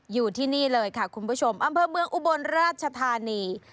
อยู่ที่นี่เลยค่ะคุณผู้ชมอำเภอเมืองอุบลราชธานี